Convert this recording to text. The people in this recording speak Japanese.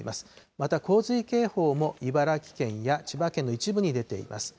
また洪水警報も茨城県や千葉県の一部に出ています。